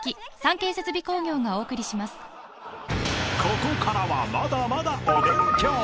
［ここからはまだまだお勉強］